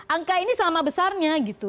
angka ini sama besarnya gitu